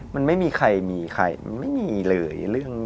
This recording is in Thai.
มันไม่มีใครมีใครมันไม่มีเลย